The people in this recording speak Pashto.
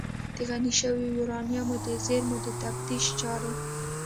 د غني شویو یورانیمو د زیرمو د تفتیش چارې